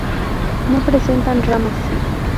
No presentan ramas.